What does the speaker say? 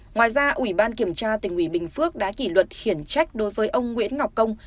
ngoài ra ủy ban kiểm tra tỉnh ủy bình phước đã kỷ luật khiển trách đối với ông nguyễn ngọc công